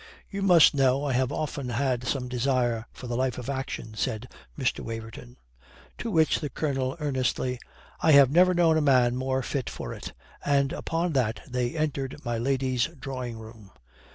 "You must know I have often had some desire for the life of action," said Mr. Waverton. To which the Colonel earnestly, "I have never known a man more fit for it," and upon that they entered my lady's drawing room.